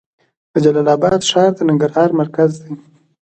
د جلال اباد ښار د ننګرهار مرکز دی